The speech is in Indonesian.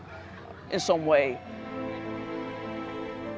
dalam suatu cara